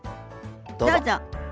どうぞ。